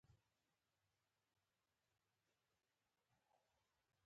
د څېړونکو په باور چي چنګیز خان